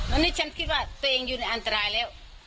วันนี้ฉันคิดว่าตัวเองอยู่ในอันตรายแล้ว